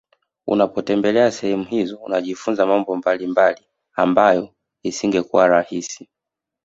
Unapotembelea sehemu hizo unajifunza mambo mbalimbali ambayo isingekuwa rahisi